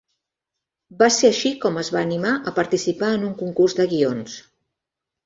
Va ser així com es va animar a participar en un concurs de guions.